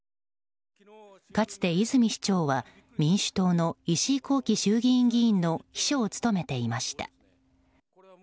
かつて泉市長は民主党の石井紘基衆議院議員の秘書を務めていました。